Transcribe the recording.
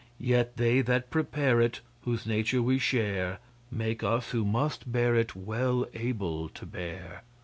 Yet They that prepare it, Whose Nature we share, Make us who must bear it Well able to bear.